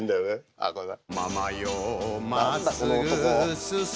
あっこれだ。